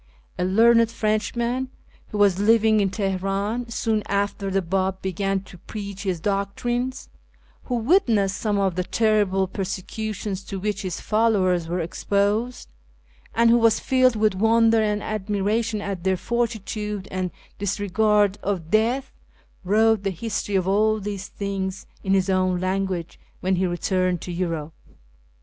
A learned Frenchman who was living in Tehenin soon after the B;ib began to preach his doctrines, who witnessed some of the terrible persecutions to which his followers were exposed, and who was filled with wonder and admiration at their fortitude and dis regard of death, wrote the history of all these things in his own language when he returned to Europe.